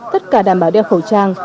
tất cả đảm bảo đeo khẩu trang